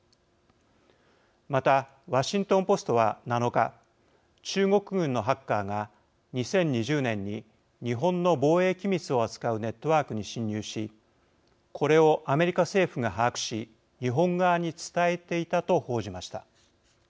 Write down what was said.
またワシントン・ポストは７日中国軍のハッカーが２０２０年に日本の防衛機密を扱うネットワークに侵入しこれをアメリカ政府が把握し日本側に伝えていたと報じました。